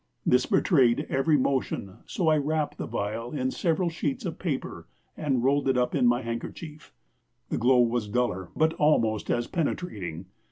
This betrayed every motion, so I wrapped the vial in several sheets of paper and rolled it up in my handkerchief. The glow was duller but almost as penetrating.